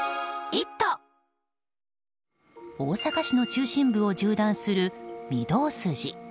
大阪市の中心部を縦断する御堂筋。